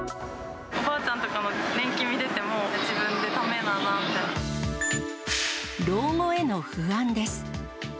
おばあちゃんとかの年金見てても、老後への不安です。